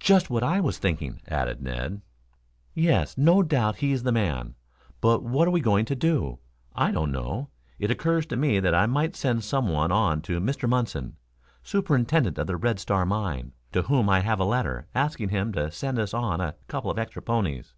"Just what I was thinking," added Ned. "Yes, no doubt he is the man. But what we are going to do, I don't know. It occurs to me that I might send some one on to Mr. Munson, superintendent of the Red Star Mine, to whom I have a letter, asking him to send us on a couple of extra ponies."